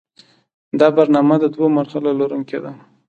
دا برنامه د دوو مرحلو لرونکې ده.